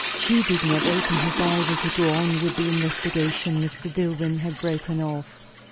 She did not open her Bible to go on with the investigation Mr. Dillwyn had broken off.